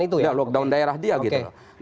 itu ya lockdown daerah dia gitu oke